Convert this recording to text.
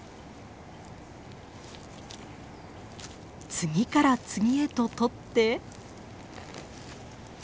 次から次へと採って。